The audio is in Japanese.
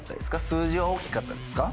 数字は大きかったですか？